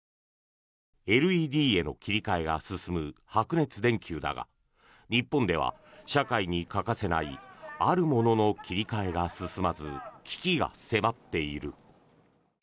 ＬＥＤへの切り替えが進む白熱電球だが日本では社会に欠かせないあるものの切り替えが進まず危機が迫っている。